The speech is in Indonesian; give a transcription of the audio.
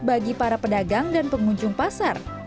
bagi para pedagang dan pengunjung pasar